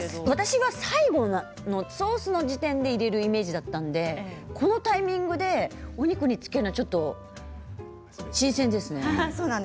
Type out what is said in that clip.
私は最後のソースの時点で入れるイメージだったのでこのタイミングでお肉につけるのはちょっと新鮮ですね。